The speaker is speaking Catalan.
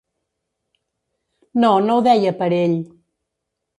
No, no ho deia per ell.